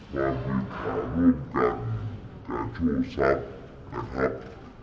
ความผิดหาร่วมกันการโชว์ทรัพย์นะครับ